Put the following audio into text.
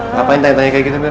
ngapain tanya tanya kayak gitu